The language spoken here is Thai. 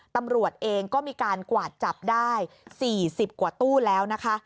ตำรวจเองก็มีการกวาดจับได้๔๐กว่าตู้แล้วนะคะ